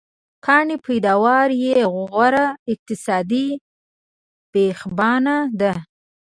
کانې پیداوار یې غوره اقتصادي بېخبنا ده.